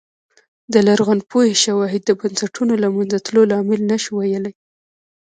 د لرغونپوهنې شواهد د بنسټونو له منځه تلو لامل نه شي ویلای